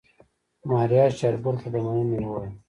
ماريا شېرګل ته د مننې وويل.